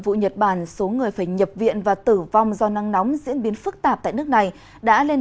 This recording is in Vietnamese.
vụ nhật bản số người phải nhập viện và tử vong do nắng nóng diễn biến phức tạp tại nước này đã lên